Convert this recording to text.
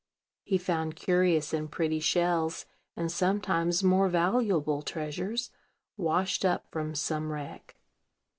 He found curious and pretty shells, and sometimes more valuable treasures, washed up from some wreck.